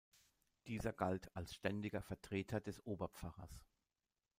Dieser galt als ständiger Vertreter des Oberpfarrers.